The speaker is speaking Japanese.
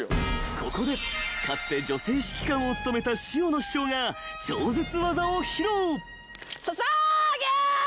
［ここでかつて女性指揮官を務めた塩野士長が超絶技を披露］